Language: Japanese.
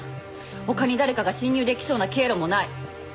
他に誰かが侵入できそうな経路もない。